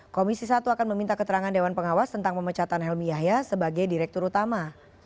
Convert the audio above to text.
komisi satu akan meminta keterangan dewan pengawas tentang pemecatan helmi yahya sebagai direktur utama